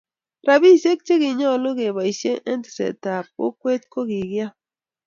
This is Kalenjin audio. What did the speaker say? Rabisiek che kinyalo kebaisye eng tekset ab kokwet kokikiam